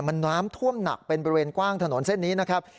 มันน้ำท่วมหนักเป็นบริเวณกว้างถนนเส้นนี้นะครับ